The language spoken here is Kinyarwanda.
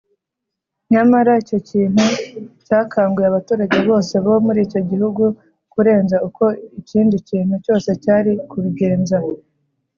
nyamara icyo kintu cyakanguye abaturage bose bo muri icyo gihugu kurenza uko ikindi kintu cyose cyari kubigenza,